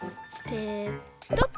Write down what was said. ペトッ。